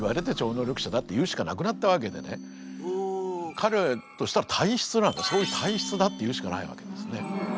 彼としたら体質なのでそういう体質だって言うしかないわけですね。